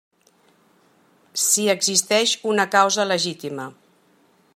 Si existeix una causa legítima.